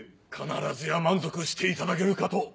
必ずや満足していただけるかと。